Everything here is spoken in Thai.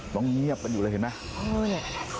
ต้องเงียบกันอยู่เลยเห็นไหม